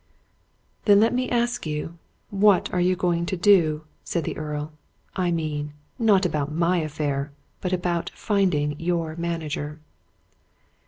"Then let me ask you, what are you going to do?" said the Earl. "I mean, not about my affair, but about finding your manager?"